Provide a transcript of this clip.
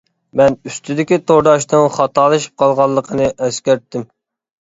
مەن ئۈستىدىكى تورداشنىڭ خاتالىشىپ قالغانلىقىنى ئەسكەرتتىم.